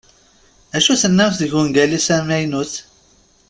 Acu tennamt deg ungal-is amaynut?